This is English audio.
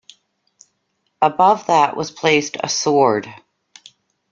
Above that was placed a sword.